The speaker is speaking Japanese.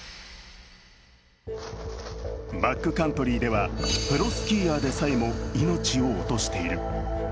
バックカントリーでは、プロスキーヤーでさえも命を落としている。